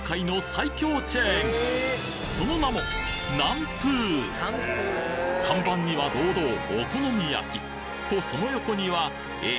その名も看板には堂々お好み焼とその横にはえ？